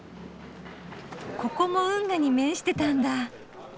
ここも運河に面してたんだ。